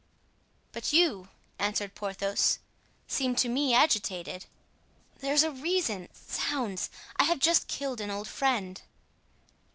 "But you," answered Porthos, "seem to me agitated." "There's a reason! Zounds! I have just killed an old friend."